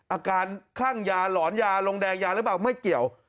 คลั่งยาหลอนยาลงแดงยาหรือเปล่าไม่เกี่ยว